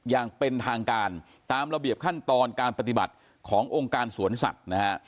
อย่างเป็นทางการตามระเบียบขั้นตอนการปฏิบัติขององค์การสวนสัตว์นะฮะ